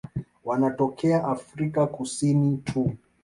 Wanatokea Afrika Kusini tu.